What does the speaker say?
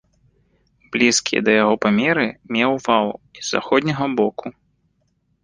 Блізкія да яго памеры меў вал і з заходняга боку.